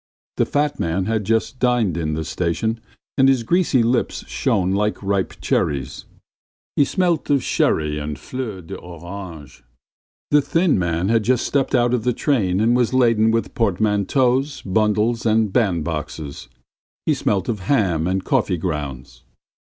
The fat man had just dined in the station and his greasy lips shone like ripe cherries. He smelt of sherry and fleur d'orange. The thin man had just slipped out of the train and was laden with portmanteaus, bundles, and bandboxes. He smelt of ham and coffee grounds.